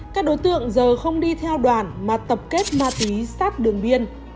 các đối tượng giờ không đi theo đoàn mà tập kết ma túy sáp đường biên